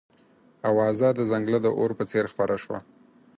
اوازه د ځنګله د اور په څېر خپره شوه.